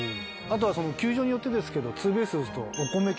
あとは球場によってですけど２ベースを打つと。